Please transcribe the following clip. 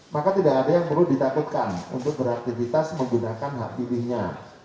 maka tidak ada yang perlu ditakutkan untuk beraktivitas menggunakan hak pilihnya